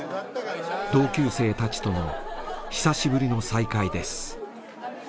同級生たちとの久しぶりの再会です。